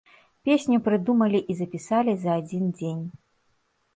Песню прыдумалі і запісалі за адзін дзень.